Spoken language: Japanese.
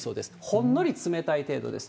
ほんのり冷たい程度です。